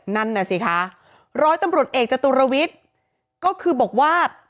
นั่นน่ะสิคะร้อยตำรวจเอกจตุรวิทย์ก็คือบอกว่า